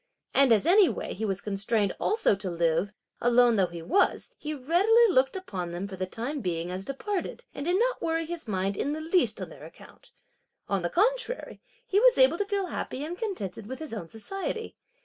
And as anyway he was constrained also to live, alone though he was, he readily looked upon them, for the time being as departed, and did not worry his mind in the least on their account. On the contrary, he was able to feel happy and contented with his own society.